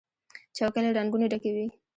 چوکۍ له رنګونو ډکې وي.